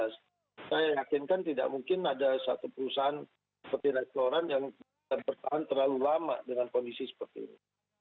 saya yakinkan tidak mungkin ada satu perusahaan seperti restoran yang bisa bertahan terlalu lama dengan kondisi seperti ini